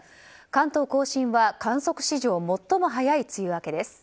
関東・甲信は観測史上最も早い梅雨明けです。